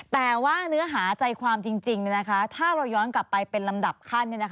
แต่ว่าเนื้อหาใจความจริงถ้าเราย้อนกลับไปเป็นลำดับขั้น